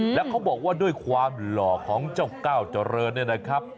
แล้วเขาบอกว่าด้วยความหล่อของเจ้าก้าวเจริญเนี่ยนะครับ